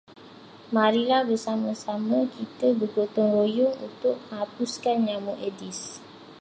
Marilah bersama-sama kita bergotong royong untuk hapuskan nyamuk aedes.